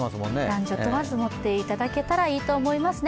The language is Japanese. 男女問わず持っていただけたらいいと思いますね。